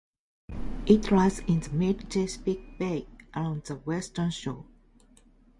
It lies in the mid-Chesapeake Bay along the western shore.